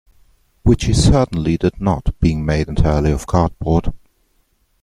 Which he certainly did not, being made entirely of cardboard.